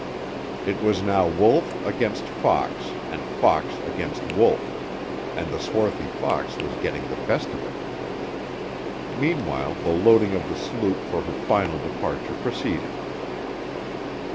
It was now Wolf against fox and fox against Wolf, and the swarthy fox was getting the best of it. Meanwhile the loading of the sloop for her final departure proceeded.